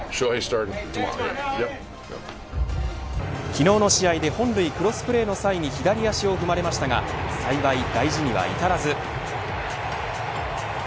昨日の試合で本塁クロスプレーの際に左足を踏まれましたが幸い大事には至らず。